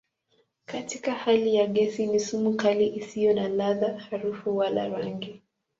Katika hali ya gesi ni sumu kali isiyo na ladha, harufu wala rangi.